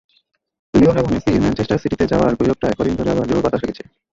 Lionel মেসির Manchester সিটিতে যাওয়ার গুজবটায় কদিন ধরে আবার জোর বাতাস লেগেছে।